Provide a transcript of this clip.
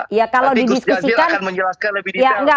nanti gus jazil akan menjelaskan lebih detail